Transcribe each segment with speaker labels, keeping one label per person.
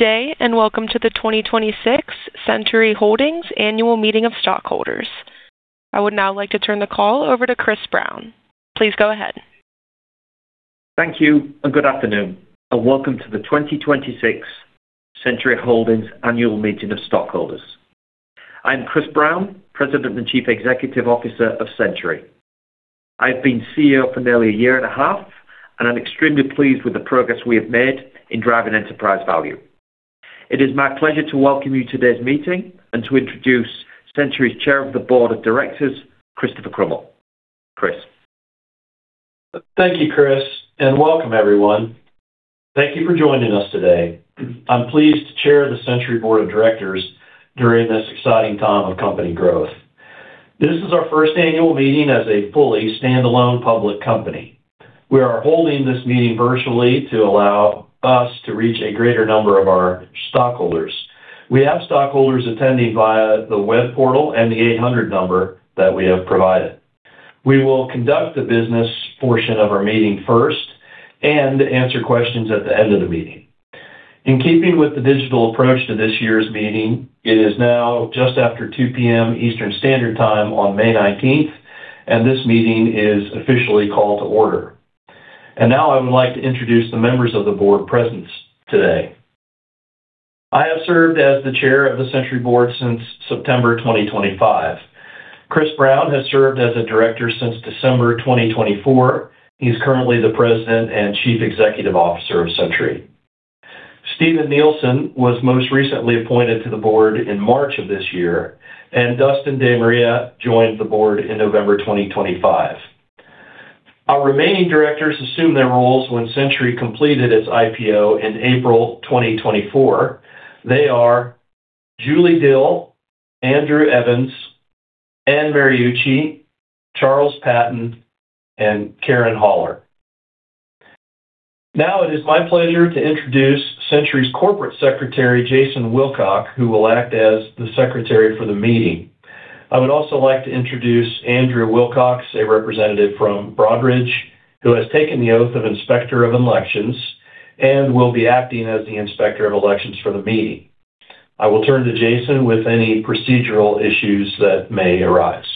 Speaker 1: Day, welcome to the 2026 Centuri Holdings Annual Meeting of Stockholders. I would now like to turn the call over to Chris Brown. Please go ahead.
Speaker 2: Thank you, good afternoon, welcome to the 2026 Centuri Holdings Annual Meeting of Stockholders. I'm Chris Brown, President and Chief Executive Officer of Centuri. I've been CEO for nearly a year and a half, I'm extremely pleased with the progress we have made in driving enterprise value. It is my pleasure to welcome you to today's meeting to introduce Centuri's Chair of the Board of Directors, Christopher A. Krummel. Chris.
Speaker 3: Thank you, Chris, and welcome, everyone. Thank you for joining us today. I'm pleased to chair the Centuri Board of Directors during this exciting time of company growth. This is our first annual meeting as a fully standalone public company. We are holding this meeting virtually to allow us to reach a greater number of our stockholders. We have stockholders attending via the web portal and the 800 number that we have provided. We will conduct the business portion of our meeting first and answer questions at the end of the meeting. In keeping with the digital approach to this year's meeting, it is now just after 2:00 P.M. Eastern Standard Time on May 19th. This meeting is officially called to order. Now I would like to introduce the members of the Board present today. I have served as the Chair of the Centuri Board since September 2025. Chris Brown has served as a Director since December 2024. He's currently the President and Chief Executive Officer of Centuri. Steven Nielsen was most recently appointed to the Board in March of this year, and Dustin DeMaria joined the Board in November 2025. Our remaining Directors assumed their roles when Centuri completed its IPO in April 2024. They are Julie Dill, Andrew Evans, Anne Mariucci, Charles Patton, and Karen Haller. Now it is my pleasure to introduce Centuri's Corporate Secretary, Jason Wilcock, who will act as the Secretary for the meeting. I would also like to introduce Andrew Wilcox, a representative from Broadridge, who has taken the oath of Inspector of Elections and will be acting as the Inspector of Elections for the meeting. I will turn to Jason with any procedural issues that may arise.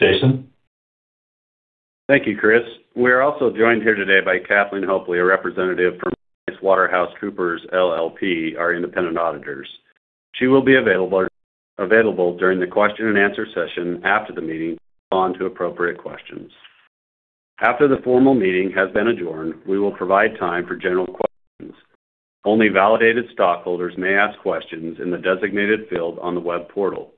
Speaker 3: Jason.
Speaker 4: Thank you, Chris. We are also joined here today by Kathleen Hopely, a representative from PricewaterhouseCoopers, LLP, our independent auditors. She will be available during the question and answer session after the meeting to respond to appropriate questions. After the formal meeting has been adjourned, we will provide time for general questions. Only validated stockholders may ask questions in the designated field on the web portal.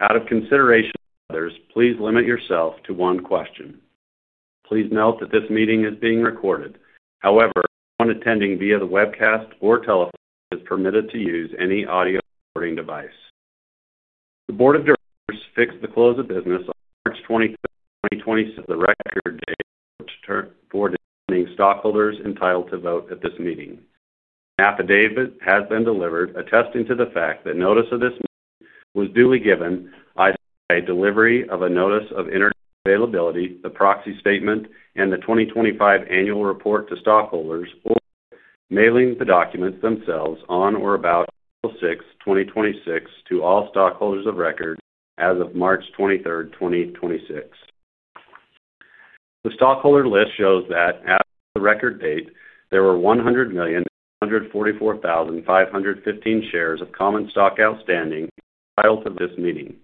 Speaker 4: Out of consideration for others, please limit yourself to one question. Please note that this meeting is being recorded. No one attending via the webcast or telephone is permitted to use any audio recording device. The board of directors fixed the close of business on March 23rd, 2026 as the record date for determining stockholders entitled to vote at this meeting. An affidavit has been delivered attesting to the fact that notice of this meeting was duly given either by delivery of a Notice of Internet Availability, the proxy statement, and the 2025 annual report to stockholders, or by mailing the documents themselves on or about April 6, 2026 to all stockholders of record as of March 23, 2026. The stockholder list shows that as of the record date, there were 100,844,515 shares of common stock outstanding entitled to this meeting.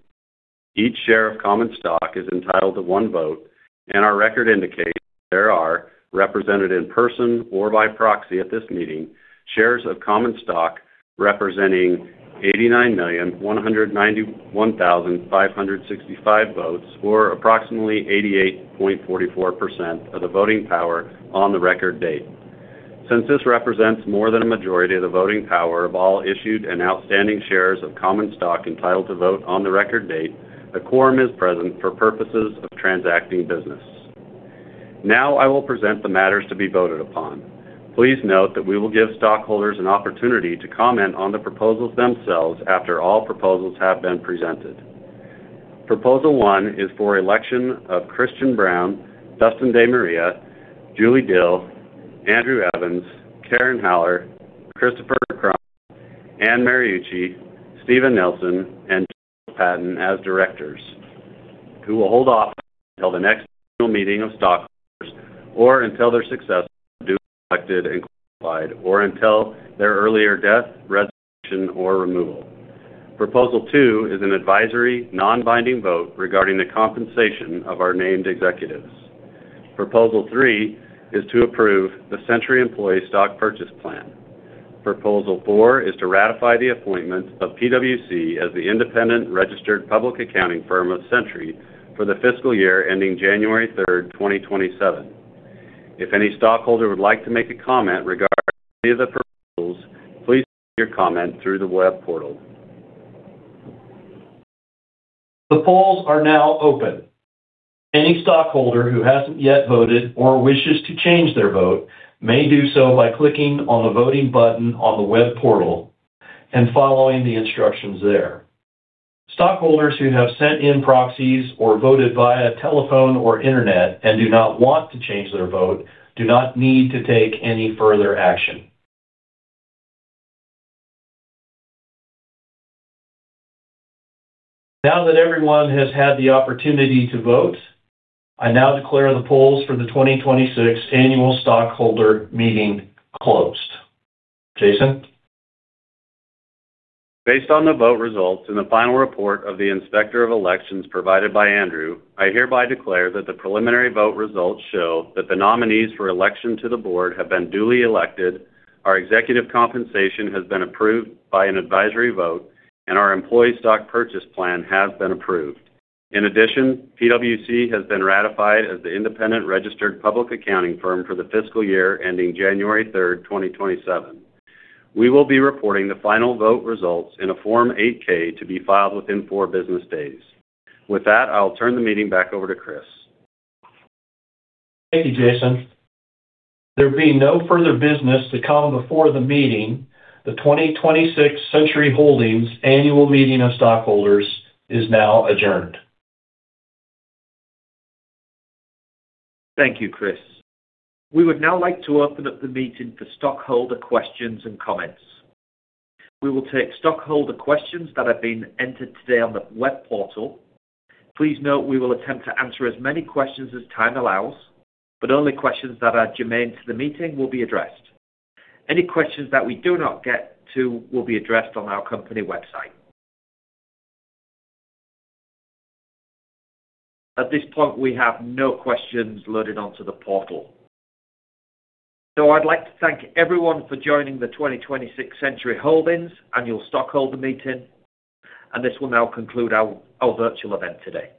Speaker 4: Each share of common stock is entitled to one vote, and our record indicates there are represented in person or by proxy at this meeting, shares of common stock representing 89,191,565 votes, or approximately 88.44% of the voting power on the record date. Since this represents more than a majority of the voting power of all issued and outstanding shares of common stock entitled to vote on the record date, a quorum is present for purposes of transacting business. Now I will present the matters to be voted upon. Please note that we will give stockholders an opportunity to comment on the proposals themselves after all proposals have been presented. Proposal 1 is for election of Christian Brown, Dustin DeMaria, Julie Dill, Andrew Evans, Karen Haller, Christopher A. Krummel, Anne Mariucci, Steven Nielsen, and Charles Patton as directors who will hold office until the next annual meeting of stockholders or until their successors are duly elected and qualified, or until their earlier death, resignation, or removal. Proposal 2 is an advisory, non-binding vote regarding the compensation of our named executives. Proposal three is to approve the Centuri Employee Stock Purchase Plan. Proposal four is to ratify the appointment of PwC as the independent registered public accounting firm of Centuri for the fiscal year ending January 3, 2027. If any stockholder would like to make a comment regarding any of the proposals, please submit your comment through the web portal.
Speaker 3: The polls are now open. Any stockholder who hasn't yet voted or wishes to change their vote may do so by clicking on the voting button on the web portal and following the instructions there. Stockholders who have sent in proxies or voted via telephone or internet and do not want to change their vote do not need to take any further action. Now that everyone has had the opportunity to vote, I now declare the polls for the 2026 annual stockholder meeting closed. Jason.
Speaker 4: Based on the vote results in the final report of the Inspector of Elections provided by Andrew, I hereby declare that the preliminary vote results show that the nominees for election to the board have been duly elected. Our executive compensation has been approved by an advisory vote, and our employee stock purchase plan has been approved. In addition, PwC has been ratified as the independent registered public accounting firm for the fiscal year ending January 3, 2027. We will be reporting the final vote results in a Form 8-K to be filed within 4 business days. With that, I'll turn the meeting back over to Chris.
Speaker 3: Thank you, Jason. There being no further business to come before the meeting, the 2026 Centuri Holdings annual meeting of stockholders is now adjourned.
Speaker 2: Thank you, Chris. We would now like to open up the meeting for stockholder questions and comments. We will take stockholder questions that have been entered today on the web portal. Please note we will attempt to answer as many questions as time allows, but only questions that are germane to the meeting will be addressed. Any questions that we do not get to will be addressed on our company website. At this point, we have no questions loaded onto the portal, so I'd like to thank everyone for joining the 2026 Centuri Holdings annual stockholder meeting, and this will now conclude our virtual event today.